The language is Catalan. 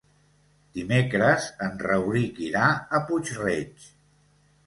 Dimecres en Rauric irà a Puig-reig.